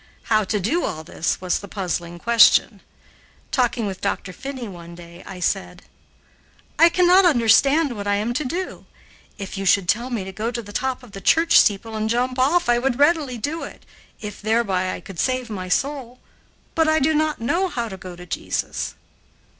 How to do all this was the puzzling question. Talking with Dr. Finney one day, I said: "I cannot understand what I am to do. If you should tell me to go to the top of the church steeple and jump off, I would readily do it, if thereby I could save my soul; but I do not know how to go to Jesus."